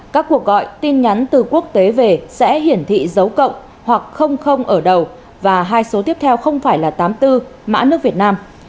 các cuộc gọi tin nhắn từ quốc tế về sẽ hiển thị dấu cộng hoặc không ở đầu và hai số tiếp theo không phải là tám mươi bốn mã nước việt nam